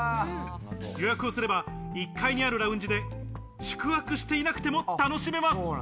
予約をすれば１階にあるラウンジで宿泊していなくても楽しめます。